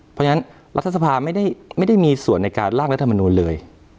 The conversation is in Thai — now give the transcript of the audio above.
เพราะฉะนั้นรัฐสภาไม่ได้มีส่วนในการล่างรัฐมนูลเลย